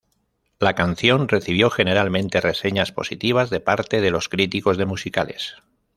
La canción recibió generalmente reseñas positivas de parte de los críticos de musicales.